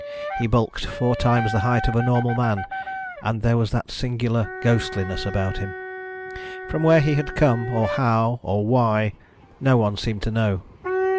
He bulked four times the height of a normal man and there was that singular ghostliness about him. From where he had come, or how, or why, no one seemed to know.